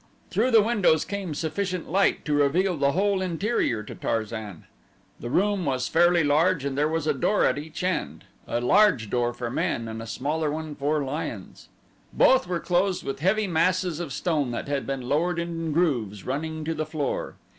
Through the windows came sufficient light to reveal the whole interior to Tarzan. The room was fairly large and there was a door at each end a large door for men and a smaller one for lions. Both were closed with heavy masses of stone that had been lowered in grooves running to the floor.